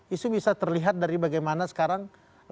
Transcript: itu bisa terlihat dari bagaimana sekarang